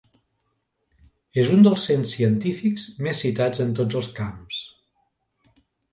És un dels cent científics més citats en tots els camps.